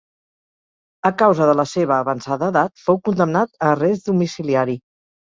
A causa de la seva avançada edat, fou condemnat a arrest domiciliari.